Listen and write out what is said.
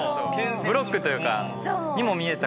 ブロックというかにも見えたから。